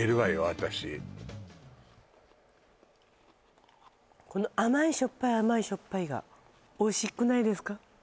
私この甘いしょっぱい甘いしょっぱいがおいしくないですか？